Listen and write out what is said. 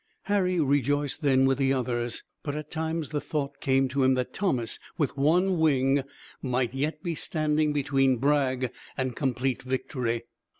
Harry rejoiced then with the others, but at times the thought came to him that Thomas with one wing might yet be standing between Bragg and complete victory.